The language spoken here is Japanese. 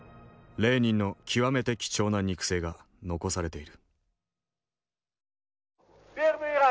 レーニンの極めて貴重な肉声が残されている。